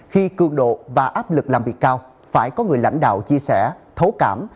khi cương độ và áp lực làm việc cao phải có người lãnh đạo chia sẻ thấu cảm